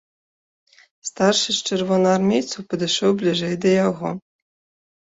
Старшы з чырвонаармейцаў падышоў бліжэй да яго.